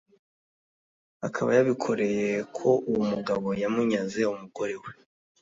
akaba yabikoreye ko uwo mugabo yamunyaze umugore we